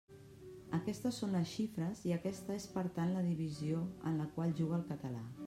Aquestes són les xifres i aquesta és per tant la divisió en la qual juga el català.